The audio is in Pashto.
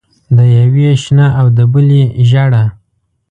د یوې شنه او د بلې ژېړه.